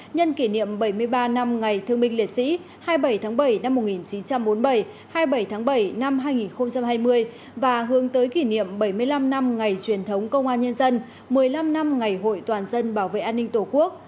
nhân kỷ niệm bảy mươi ba năm ngày thương binh liệt sĩ hai mươi bảy tháng bảy năm một nghìn chín trăm bốn mươi bảy hai mươi bảy tháng bảy năm hai nghìn hai mươi và hướng tới kỷ niệm bảy mươi năm năm ngày truyền thống công an nhân dân một mươi năm năm ngày hội toàn dân bảo vệ an ninh tổ quốc